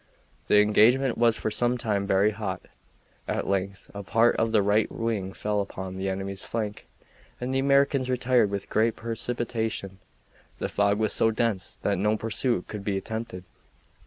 The engagement was for some time very hot. At length a part of the right wing fell upon the enemy's flank, and the Americans retired with great precipitation. The fog was so dense that no pursuit could be attempted.